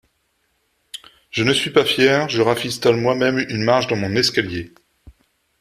Je ne suis pas fier, je rafistole moi-même une marche de mon escalier.